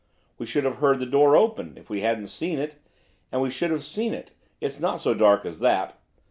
We should have heard the door open, if we hadn't seen it, and we should have seen it, it's not so dark as that.